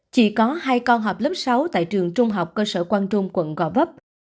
chỉ có hai con học lớp sáu tại trường trung học cơ sở quang trung quận gò vấp